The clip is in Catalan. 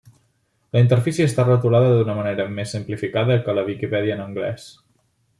La interfície està retolada d'una manera més simplificada que a la Viquipèdia en anglès.